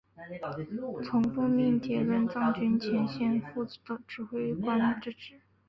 从父命接任藏军前线副指挥官之职。